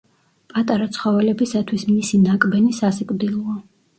პატარა ცხოველებისათვის მისი ნაკბენი სასიკვდილოა.